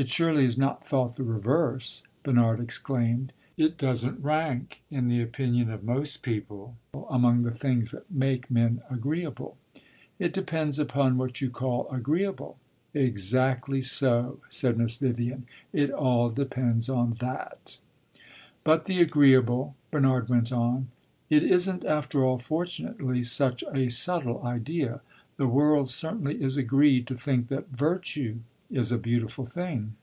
"It surely is not thought the reverse!" Bernard exclaimed. "It does n't rank in the opinion of most people among the things that make men agreeable." "It depends upon what you call agreeable." "Exactly so," said Miss Vivian. "It all depends on that." "But the agreeable," Bernard went on "it is n't after all, fortunately, such a subtle idea! The world certainly is agreed to think that virtue is a beautiful thing."